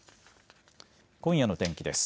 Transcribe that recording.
今夜の天気です。